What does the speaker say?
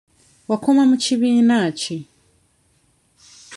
Wakoma mu kibiina ki?